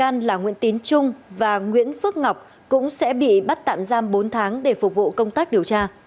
nguyễn tín trung và nguyễn phước ngọc cũng sẽ bị bắt tạm giam bốn tháng để phục vụ công tác điều tra